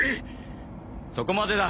そこまでだ！